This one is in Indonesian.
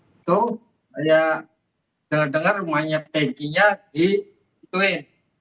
itu saya dengar dengar rumahnya peginya di ketuin